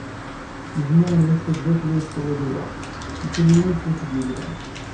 Nnejmaɛen wat taddart wa yessawal i wa, mkul yiwen s wacu i d-yegla.